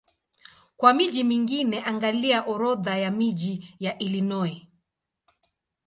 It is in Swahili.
Kwa miji mingine angalia Orodha ya miji ya Illinois.